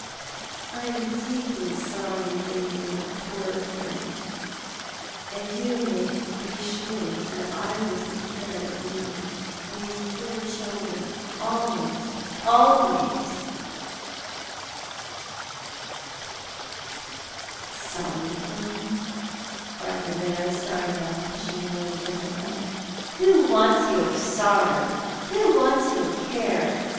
"I am deeply sorry for you, my poor friend, and you may be sure I will take care of you and these poor children always— always." 164 ThoiL art the Man. " Sorry for me ?" cried the widow, starting up, and pushing away the gentle hand. " Who wants your sorrow ? "Who wants your care?